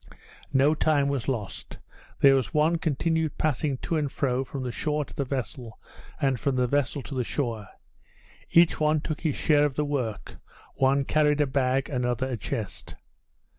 No time was lost; there was one continued passing to and fro from the shore to the vessel, and from the vessel to the shore; each one took his share of the work one carried a bag, another a chest.